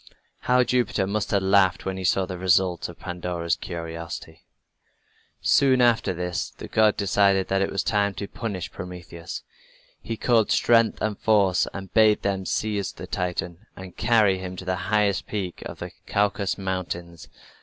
How Jupiter must have laughed when he saw the result of Pandora's curiosity! Soon after this the god decided that it was time to punish Prometheus. He called Strength and Force and bade them seize the Titan and carry him to the highest peak of the Caucasus Mountains.